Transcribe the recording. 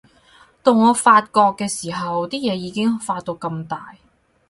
到我發覺嘅時候，啲嘢已經發到咁大